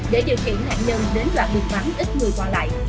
để điều khiển hạng nhân đến đoạn đường vắng ít người quan lại